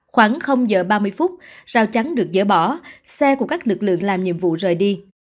khoảng giờ ba mươi phút rào chắn được dỡ bỏ xe của các lực lượng làm nhiệm vụ rời đi